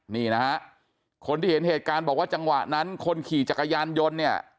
นี่นะฮะคนที่เห็นเหตุการณ์บอกว่าจังหวะนั้นคนขี่จักรยานยนต์เนี่ย